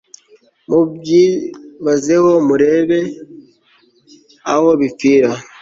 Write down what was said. mubyibazeho murebe aho bipfira